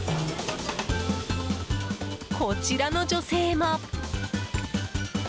こちらの女性も。